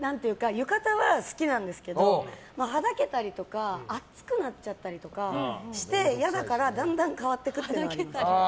浴衣は好きなんですけどはだけたりとか暑くなっちゃったりとかして嫌だから、だんだん変わっていく。